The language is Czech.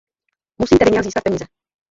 Musí tedy nějak získat peníze.